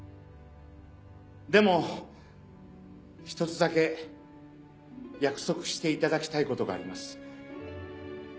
でも一つだけ約束していただきたいことがあります。